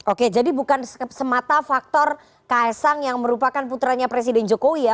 oke jadi bukan semata faktor ksang yang merupakan puteranya presiden jokowi ya